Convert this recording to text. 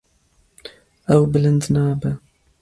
Ew bilind nabe.